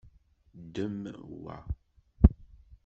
Ddem wa.